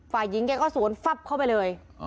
ฝายิงเจ้าสวนเฝ็บเข้าไปเลย